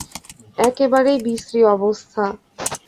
একেবারেই বিশ্রী অবস্থা।